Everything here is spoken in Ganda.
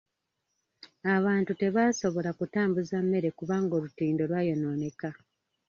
Abantu tebaasobola kutambuza mmere kubanga olutindo lwayonooneka.